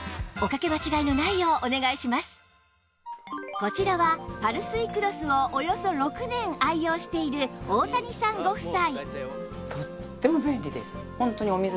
こちらはパルスイクロスをおよそ６年愛用している大谷さんご夫妻